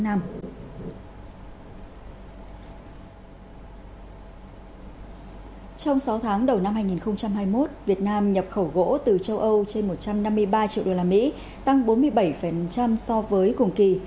trong sáu tháng đầu năm hai nghìn hai mươi một việt nam nhập khẩu gỗ từ châu âu trên một trăm năm mươi ba triệu usd tăng bốn mươi bảy so với cùng kỳ